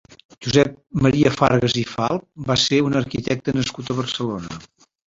Josep Maria Fargas i Falp va ser un arquitecte nascut a Barcelona.